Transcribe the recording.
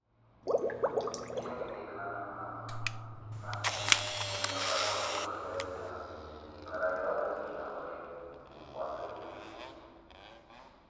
Miiyo kiniikhala na maama, masi kinlopaka otthiwa feriya para yoori kilawe wa piipi.